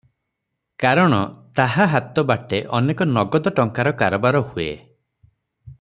କାରଣ ତାହା ହାତ ବାଟେ ଅନେକ ନଗଦ ଟଙ୍କାର କାରବାର ହୁଏ ।